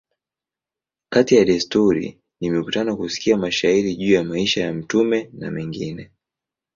Kati ya desturi ni mikutano, kusikia mashairi juu ya maisha ya mtume a mengine.